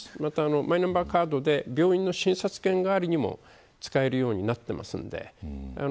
マイナンバーカードで病院の診察券代わりにも使えるようになっています。